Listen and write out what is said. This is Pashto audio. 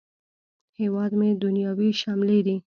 هیواد مې د نیاوو شملې دي